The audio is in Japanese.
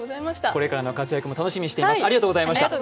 これからの活躍も楽しみにしています。